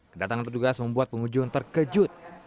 kedatangan petugas membuat pengunjung terkejut